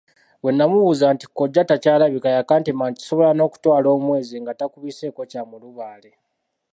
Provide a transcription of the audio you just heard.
Bwe namubuuza lwaki kkojja takyalabika yakantema nti kisobola n'okutwala omwezi nga takubiseeko kya mulubaale.